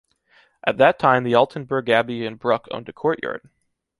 At that time the Altenberg Abbey in Brück owned a courtyard.